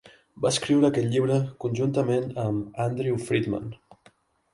Va escriure aquest llibre conjuntament amb Andrew Friedman.